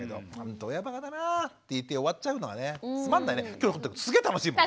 今日だってすげえ楽しいもん。